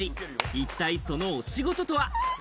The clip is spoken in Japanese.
一体そのお仕事とは？